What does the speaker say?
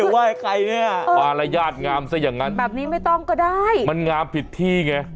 ไหว้ใครเนี่ยอืมแบบนี้ไม่ต้องก็ได้มันงามผิดที่ไง